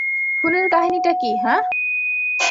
ফোনের কাহিনীটা কী, হাহ?